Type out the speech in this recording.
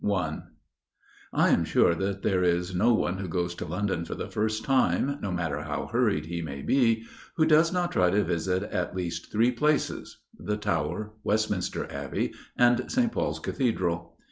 I I am sure that there is no one who goes to London for the first time, no matter how hurried he may be, who does not try to visit at least three places the Tower, Westminster Abbey, and St. Paul's Cathedral.